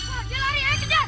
wah dia lari ya kejar